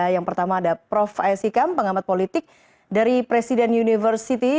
yang pertama ada prof aisyikam pengamat politik dari presiden universiti